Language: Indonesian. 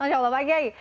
masya allah pak gai